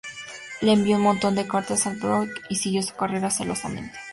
Le envió un montón de cartas a Björk y siguió su carrera celosamente.